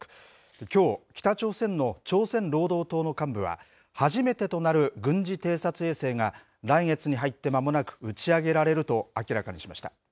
きょう、北朝鮮の朝鮮労働党の幹部は、初めてとなる軍事偵察衛星が来月に入ってまもなく、打ち上げられると明らかにしました。